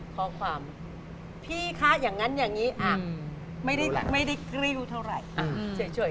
ข้อความพี่คะอย่างนั้นอย่างนี้ไม่ได้กริ้วเท่าไหร่เฉย